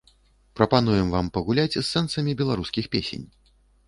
Прапануем вам пагуляць з сэнсамі беларускіх песень.